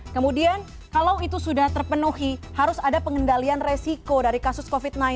kemudian kalau itu sudah terpenuhi harus ada pengendalian resiko dari kasus covid sembilan belas